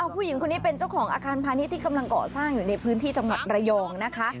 ผู้หญิงคนนี้เป็นเจ้าของอาคารพาณิชย์ที่กำลังเกาะสร้างอยู่ในพื้นที่จังหวัดระยองนะคะ